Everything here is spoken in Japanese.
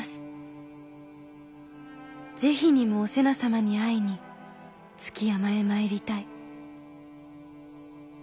是非にもお瀬名様に会いに築山へ参りたい」。